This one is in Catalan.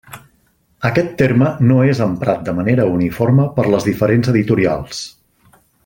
Aquest terme no és emprat de manera uniforme per les diferents editorials.